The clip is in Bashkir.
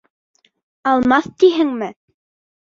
Алмаҫ тиһеңме?